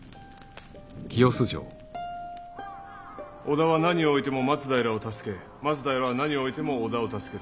織田は何をおいても松平を助け松平は何をおいても織田を助ける。